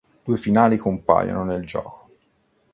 Due finali compaiono nel gioco.